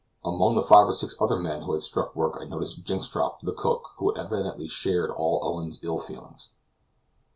Among the five or six other men who had struck work I noticed Jynxstrop, the cook, who evidently shared all Owen's ill feelings.